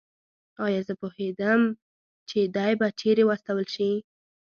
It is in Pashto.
ایا زه پوهېدم چې دی به چېرې واستول شي؟